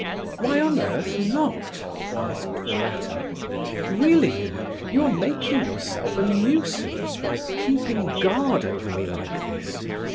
"Why on earth not?" asked the latter. "Really, you know, you are making yourself a nuisance, by keeping guard over me like this.